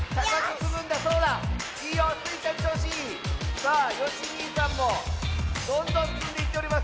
さあよしにいさんもどんどんつんでいっております！